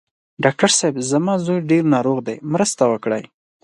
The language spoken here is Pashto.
ډاکټر صېب! زما زوی ډېر ناروغ دی، مرسته وکړئ.